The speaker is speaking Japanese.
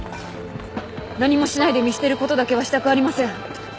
何もしないで見捨てることだけはしたくありません。